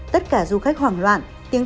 tất cả du khách hoảng loạn